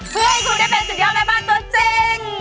เพื่อให้คุณได้เป็นสุดยอดแม่บ้านตัวจริง